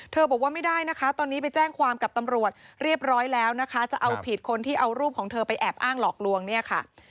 บอกว่าไม่ได้นะคะตอนนี้ไปแจ้งความกับตำรวจเรียบร้อยแล้วนะคะจะเอาผิดคนที่เอารูปของเธอไปแอบอ้างหลอกลวงเนี่ยค่ะ